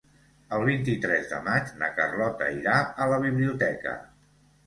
El vint-i-tres de maig na Carlota irà a la biblioteca.